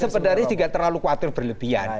sebenarnya tidak terlalu khawatir berlebihan